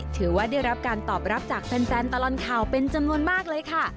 ถือว่าได้รับการตอบรับจากแฟนตลอดข่าวเป็นจำนวนมากเลยค่ะ